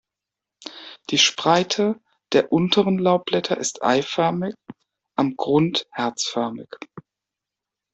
Die Spreite der unteren Laubblätter ist eiförmig, am Grund herzförmig.